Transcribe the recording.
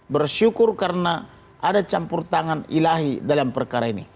bersyukur karena ada campur tangan ilahi dalam perkara ini